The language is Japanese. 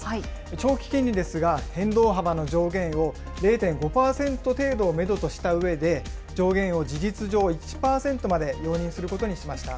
長期金利ですが、変動幅の上限を０．５％程度をメドとしたうえで、上限を事実上、１％まで容認することにしました。